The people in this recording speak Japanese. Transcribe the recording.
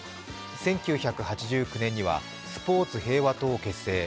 １９８９年にはスポーツ平和党を結成。